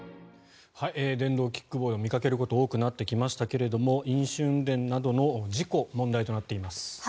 電動キックボード見かけることも多くなってきましたが飲酒運転などの事故問題となっています。